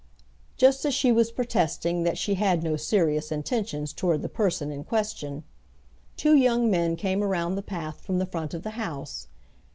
Just as she was protesting that she had no serious intentions toward the person in question, two young men came around the path from the front of the house.